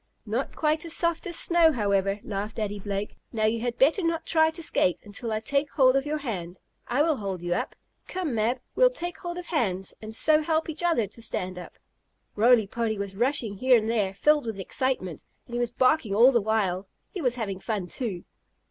"No quite as soft as snow, however," laughed Daddy Blake. "Now you had better not try to skate until I take hold of your hand. I will hold you up. Come, Mab, well take hold of hands and so help each other to stand up." Roly Poly was rushing here and there, filled with excitement, and he was barking all the while. He was having fun too.